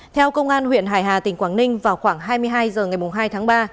theo công an huyện hải hà tỉnh quảng ninh vào khoảng hai mươi hai h ngày hai tháng ba